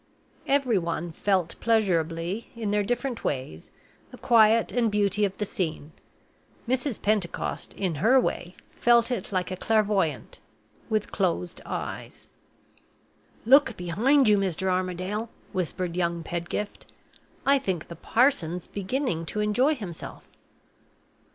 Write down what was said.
Every one felt pleasurably, in their different ways, the quiet and beauty of the scene. Mrs. Pentecost, in her way, felt it like a clairvoyant with closed eyes. "Look behind you, Mr. Armadale," whispered young Pedgift. "I think the parson's beginning to enjoy himself."